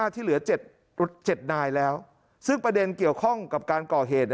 ที่เหลือ๗นายแล้วซึ่งประเด็นเกี่ยวข้องกับการก่อเหตุ